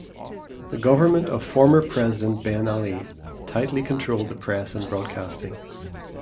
The government of former President Ben Ali tightly controlled the press and broadcasting.